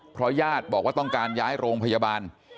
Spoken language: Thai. เพราะญาติบอกว่าต้องการย้ายโรงพยาบาล